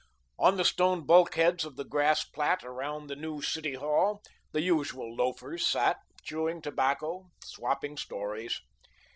On the stone bulkheads of the grass plat around the new City Hall, the usual loafers sat, chewing tobacco, swapping stories.